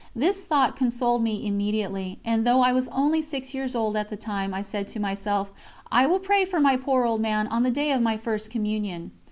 This thought consoled me immediately, and though I was only six years old at the time, I said to myself: "I will pray for my poor old man on the day of my First Communion."